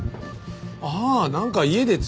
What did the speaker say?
ああなんか家で作ってたね。